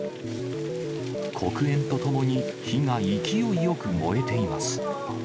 黒煙とともに火が勢いよく燃えています。